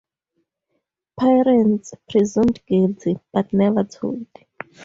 "Parents "Presumed Guilty" - but never told.